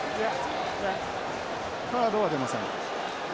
カードは出ません。